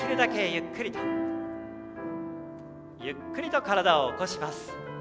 ゆっくりと体を起こします。